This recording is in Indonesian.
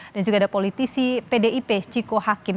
juga ada politisi pdip ciko hakim